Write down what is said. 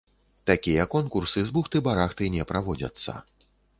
Такія конкурсы з бухты-барахты не праводзяцца.